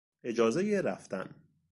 اجازهی رفتن